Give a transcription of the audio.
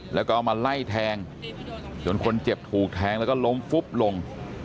แล้วก็เอามาไล่แทงจนคนเจ็บถูกแทงแล้วก็ล้มฟุบลง